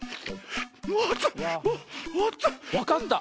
わかった。